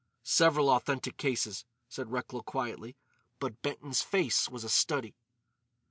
"Several authentic cases," said Recklow quietly. But Benton's face was a study.